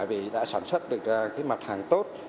vì đã sản xuất được mặt hàng tốt